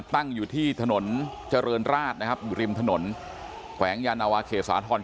ตั้งอยู่ที่ถนนเจริญราชนะครับอยู่ริมถนนแขวงยานาวาเขตสาธรณ